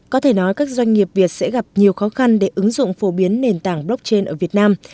có thể nói các doanh nghiệp việt sẽ gặp nhiều khó khăn để ứng dụng phổ biến nền tảng blockchain ở việt nam